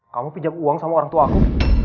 kamu pinjam uang sama orangtuaku